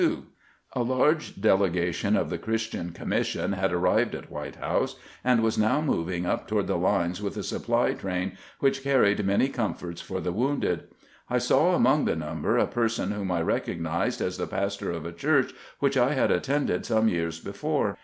THE HALT AT BETHESDA CHUEOH 169 A large delegation of the Christian Commission had arrived at White House, and was now moving up to ward the lines with a supply train which carried many comforts for the wounded. I saw among the number a person whom I recognized as the pastor of a church which I had attended some years before.